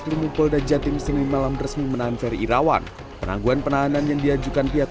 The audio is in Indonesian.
kelumu polda jatim seni malam resmi menahan feri irawan penangguan penahanan yang diajukan pihak